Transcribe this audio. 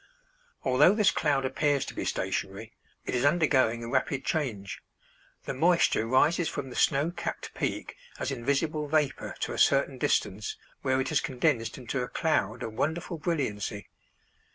Although this cloud appears to be stationary, it is undergoing a rapid change; the moisture rises from the snow capped peak as invisible vapor to a certain distance, where it is condensed into a cloud of wonderful brilliancy.